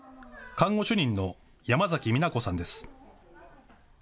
看護主任の山嵜美奈子さんです。